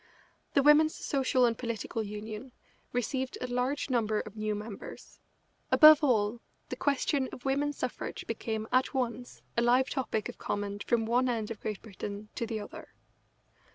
The Women's Social and Political Union received a large number of new members. Above all, the question of women's suffrage became at once a live topic of comment from one end of Great Britain to the other.